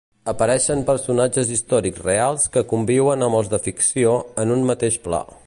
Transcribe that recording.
Apareixen personatges històrics reals que conviuen amb els de ficció en un mateix pla.